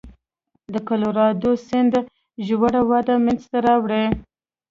د کلورادو سیند ژوره وادي منځته راوړي.